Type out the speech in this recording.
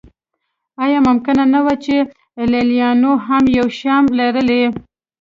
ایا ممکنه نه وه چې لېلیانو هم یو شیام لرلی.